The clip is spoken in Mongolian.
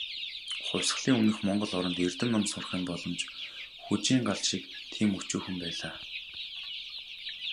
Хувьсгалын өмнөх монгол оронд, эрдэм ном сурахын боломж "хүжийн гал" шиг тийм өчүүхэн байлаа.